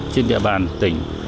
trên địa bàn tỉnh